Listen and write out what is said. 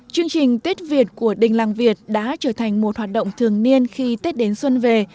chương trình tết việt của đình làng việt đã trở thành một hoạt động thường niên khi tết đến xuân về